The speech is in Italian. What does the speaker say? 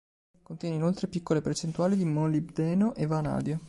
Contiene inoltre piccole percentuali di molibdeno e vanadio.